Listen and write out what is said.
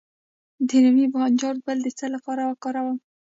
د رومي بانجان ګل د څه لپاره وکاروم؟